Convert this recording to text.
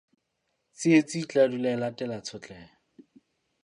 Tsietsi e tla dula e latella tshotleho.